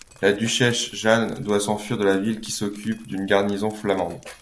La duchesse Jeanne doit s'enfuir de la ville, qu'occupe une garnison flamande.